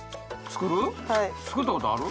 作ったことある？